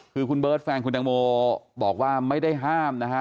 คือคุณเบิร์ตแฟนคุณตังโมบอกว่าไม่ได้ห้ามนะฮะ